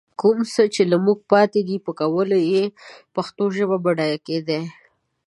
کوم څه له موږ پاتې دي، په کولو سره يې پښتو ژبه بډايه کېدای